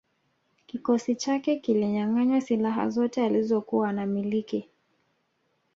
Kikosi chake kilianyanganywa silaha zote alizokuwa anamiliki